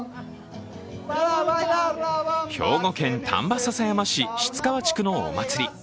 兵庫県丹波篠山市後川地区のお祭り。